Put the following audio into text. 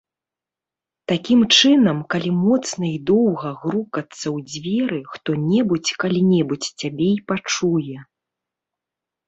Такім чынам, калі моцна і доўга грукацца ў дзверы, хто-небудзь калі-небудзь цябе і пачуе.